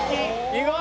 意外。